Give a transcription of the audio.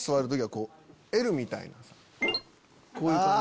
こういう感じ。